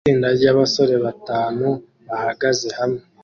Itsinda ryabasore batanu bahagaze hamwe